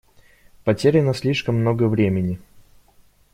Потеряно слишком много времени.